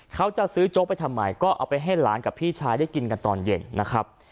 เขาจะซื้อโจ๊กไปทำไมก็เอาไปให้หลานกับพี่ชายได้กินกันตอนเย็นนะครับ